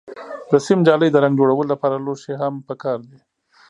د سیم جالۍ، د رنګ جوړولو لپاره لوښي هم پکار دي.